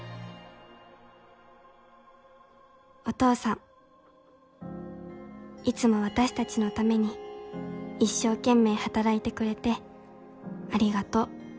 「お父さんいつも私達の為に一生懸命働いてくれてありがとう。